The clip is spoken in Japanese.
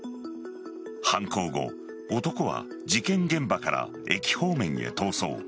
犯行後、男は事件現場から駅方面へ逃走。